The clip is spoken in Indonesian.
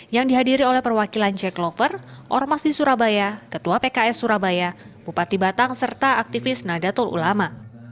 yang dihadiri oleh perwakilan jack lover ormas di surabaya ketua pks surabaya bupati batang serta aktivis nadatul ulama